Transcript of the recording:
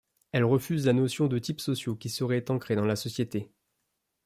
Elle refuse la notion de types sociaux qui seraient ancrés dans la société.